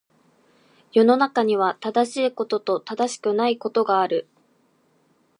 世の中には、正しいことと正しくないことがある。